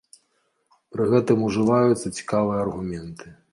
Пры гэтым ужываюцца цікавыя аргументы.